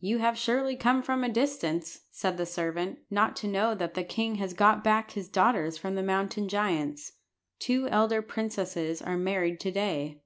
"You have surely come from a distance," said the servant, "not to know that the king has got back his daughters from the mountain giants. The two elder princesses are married to day."